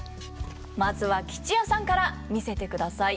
まずは吉弥さんから見せてください。